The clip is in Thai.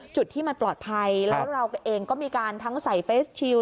จุดที่มันปลอดภัยแล้วเราเองก็มีการทั้งใส่เฟสชิล